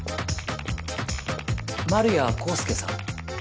丸谷康介さん。